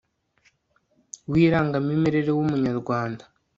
w irangamimerere w umunyarwanda